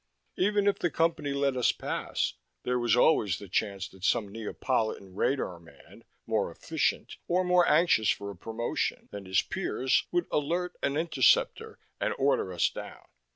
Even if the Company let us pass, there was always the chance that some Neapolitan radarman, more efficient, or more anxious for a promotion, than his peers would alert an interceptor and order us down.